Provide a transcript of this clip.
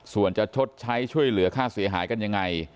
ส่วนจะชดใช้ช่วยเหลือค่าเสียหายกันยังไง